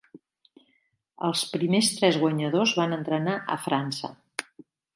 Els primers tres guanyadors van entrenar a França.